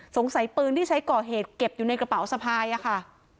ปืนที่ใช้ก่อเหตุเก็บอยู่ในกระเป๋าสะพายอะค่ะ